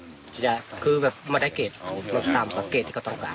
คือแบบมาได้เกรดต่ำกว่าเกรดที่เขาต้องการ